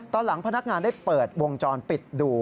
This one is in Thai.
ตอนหลังพนักงานได้เปิดวงจรปิดดู